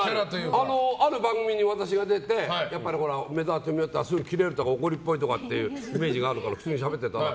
ある番組に私が出て梅沢富美男っていったらすぐキレるとか怒りっぽいイメージがあるから普通にしゃべってたら。